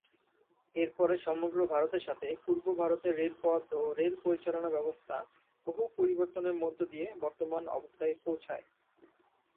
এর পরে সমগ্র ভারতের সাথে পূর্ব ভারতের রেলপথ ও রেল পরিচালনা ব্যবস্থা বহু পরিবর্তনের মধ্যদিয়ে বর্তমান অবস্থায় পৌঁছায়।